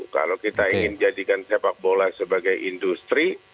kalau kita ingin jadikan sepak bola sebagai industri